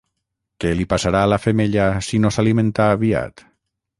Què li passarà a la femella si no s'alimenta aviat?